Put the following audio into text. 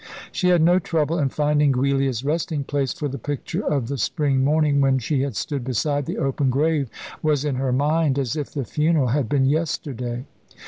She had no trouble in finding Giulia's resting place, for the picture of the spring morning when she had stood beside the open grave was in her mind, as if the funeral had been yesterday.